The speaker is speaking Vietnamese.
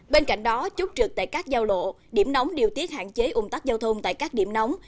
bên cạnh đó chốt trực tại các giao lộ điểm nóng điều tiết hạn chế ung tắc giao thông tại các điểm nóng